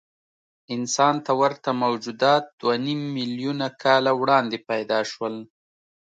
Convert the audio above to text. انسان ته ورته موجودات دوهنیم میلیونه کاله وړاندې پیدا شول.